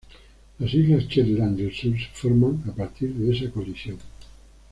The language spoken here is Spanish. Las Islas Shetland del Sur se forman a partir de esa colisión.